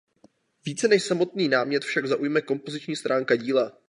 Více než samotný námět však zaujme kompoziční stránka díla.